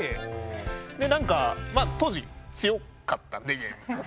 でなんかまあ当時強かったんでゲーム。